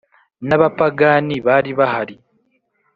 n'abapagani bari bahari